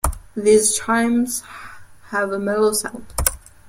These chimes have a mellow sound.